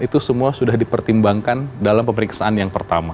itu semua sudah dipertimbangkan dalam pemeriksaan yang pertama